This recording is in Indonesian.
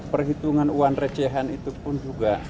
perhitungan uang recehan itu pun juga